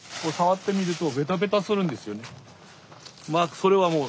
それはもう。